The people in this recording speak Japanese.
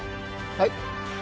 はい。